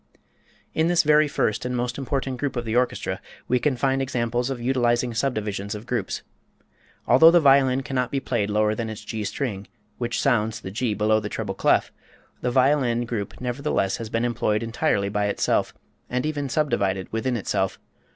In this very first and most important group of the orchestra we can find examples of utilizing subdivisions of groups. Although the violin cannot be played lower than its G string, which sounds the G below the treble clef, the violin group nevertheless has been employed entirely by itself, and even subdivided within itself.